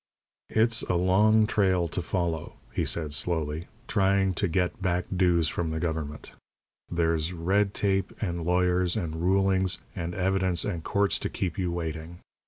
"It's a long trail to follow," he said, slowly, "trying to get back dues from the government. There's red tape and lawyers and rulings and evidence and courts to keep you waiting.